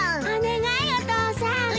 お願いお父さん！